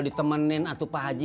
ditemenin atuh pak haji